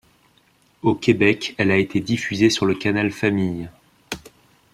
Au Québec, elle a été diffusée sur le Canal Famille.